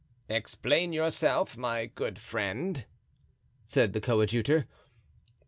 '" "Explain yourself, my good friend," said the coadjutor.